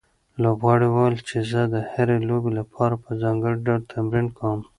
لوبغاړي وویل چې زه د هرې لوبې لپاره په ځانګړي ډول تمرین کوم.